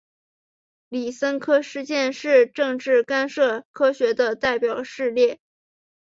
李森科事件是政治干涉科学的代表事例。